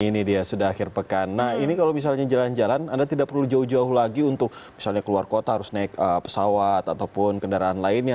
ini dia sudah akhir pekan nah ini kalau misalnya jalan jalan anda tidak perlu jauh jauh lagi untuk misalnya keluar kota harus naik pesawat ataupun kendaraan lainnya